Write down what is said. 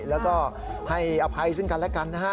แล้วก็ให้อภัยซึ่งกันและกันนะฮะ